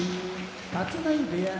立浪部屋